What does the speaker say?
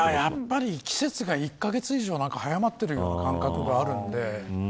季節が１カ月以上、早まっているような感覚があるので。